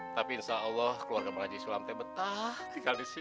tapi insya allah keluarga bang haji sulam tebetah tinggal di sini